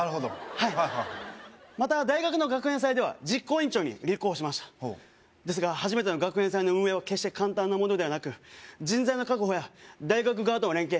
はいまた大学の学園祭では実行委員長に立候補しましたほうですが初めての学園祭の運営は決して簡単なものではなく人材の確保や大学側との連携